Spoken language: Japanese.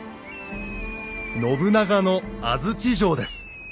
信長の安土城です。